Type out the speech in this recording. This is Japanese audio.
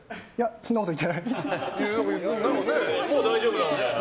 そんなこと言ってないです。